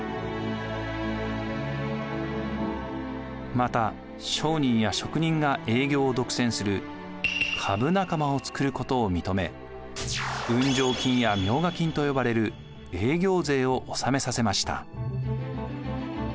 また商人や職人が営業を独占する株仲間を作ることを認め運上金や冥加金と呼ばれる営業税を納めさせました。